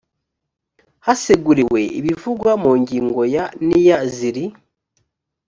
haseguriwe ibivugwa mu ngingo ya n iya z iri